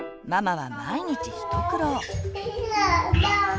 ママは毎日一苦労。